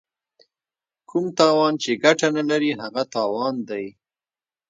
کوم تاوان چې ګټه نه لري هغه تاوان دی.